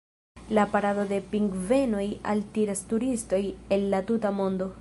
La parado de pingvenoj altiras turistojn el la tuta mondo.